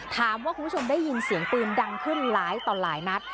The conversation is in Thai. คุณผู้ชมได้ยินเสียงปืนดังขึ้นหลายต่อหลายนัด